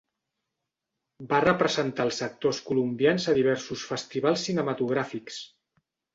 Va representar als actors colombians a diversos festivals cinematogràfics.